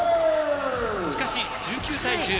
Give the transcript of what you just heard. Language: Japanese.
しかし、１９対１０。